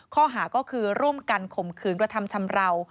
ข้อหาก็คือร่วมกันข่มขืนกระทำชำราว